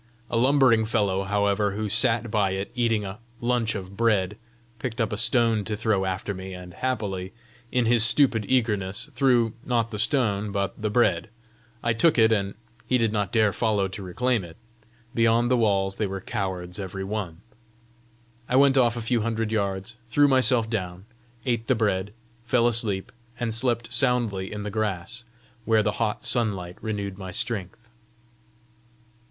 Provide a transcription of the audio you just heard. A lumbering fellow, however, who sat by it eating a hunch of bread, picked up a stone to throw after me, and happily, in his stupid eagerness, threw, not the stone but the bread. I took it, and he did not dare follow to reclaim it: beyond the walls they were cowards every one. I went off a few hundred yards, threw myself down, ate the bread, fell asleep, and slept soundly in the grass, where the hot sunlight renewed my strength.